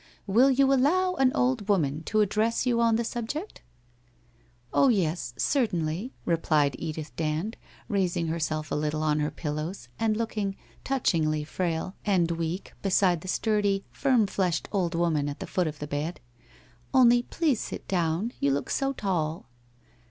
' Will you allow an old woman to address you on the subject?' 'Oh, yes, certainly,' replied Edith Dand, raising herself a little on her pillow* and looking touchingly frail and 183 184 WHITE HOSE OF WEARY LEAF weak beside the sturdy, firm fleshed old woman at the foot of the bed. ' Only please sit down — you look so tall.'